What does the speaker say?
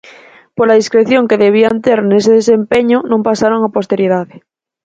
Pola discreción que debían ter nese desempeño non pasaron á posteridade.